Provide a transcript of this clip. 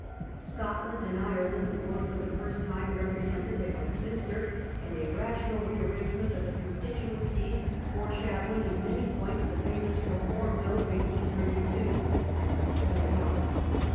Scotland and Ireland were for the first time represented at West parliament minster, and a rational rearrangement of the upsets the constituencies, foreshadowing in many points ■*^^®'"* the famous Reform Bill of 1832, had been carried out.